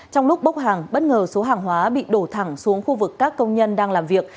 trong lúc bốc hàng bất ngờ số hàng hóa bị đổ thẳng xuống khu vực các công nhân đang làm việc